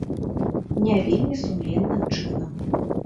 Не вельмі сумленным чынам.